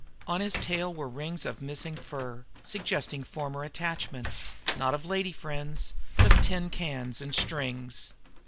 On his tail were rings of missing fur, suggesting former attachments, not of lady friends, but of tin cans and strings.